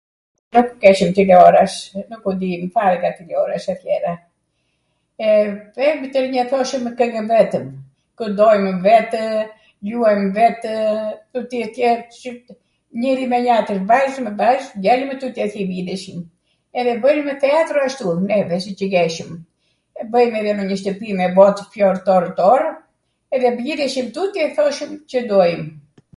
Nukw keshwm tileoras, nuku dijm fare nga tileorasi atjera, vemi twrwnjw thoshwmw kwngw vetwm, kwndojmw vetw, luajmw vetw, tuti atjer njwri me jatrin, vajzw me vajz, djali me tuti djelt, mblidheshim edhe bwnim theatro ashtu neve siCw jeshwm, e bwjmw edhe ndonjw shtwpi mbot plo torw tor, edhe mbjidheshim tuti edhe thoshwm Cw dojwm.